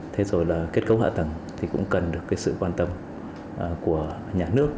thế rồi là kết cấu hạ tầng cũng cần được sự quan tâm của nhà nước